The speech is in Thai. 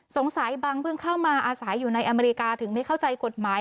บังเพิ่งเข้ามาอาศัยอยู่ในอเมริกาถึงไม่เข้าใจกฎหมาย